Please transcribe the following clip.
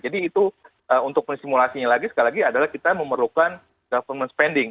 jadi itu untuk penstimulasinya lagi sekali lagi adalah kita memerlukan government spending